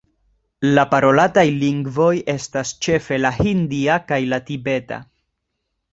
La parolataj lingvoj estas ĉefe la hindia kaj la tibeta.